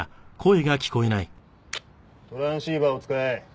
トランシーバーを使え。